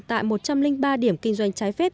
tại một trăm linh ba điểm kinh doanh trái phép